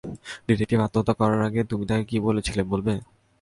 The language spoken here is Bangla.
ডিটেকটিভ আত্মহত্যা করার আগে তুমি তাকে কী বলেছিলে বলবে?